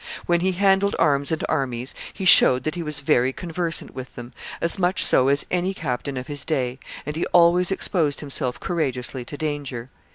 When he handled arms and armies, he showed that he was very conversant with them, as much so as any captain of his day, and he always exposed himself courageously to danger.